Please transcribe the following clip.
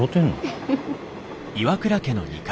フフフフ。